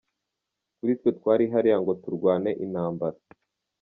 Kuri twe twari hariya ngo turwane intambara.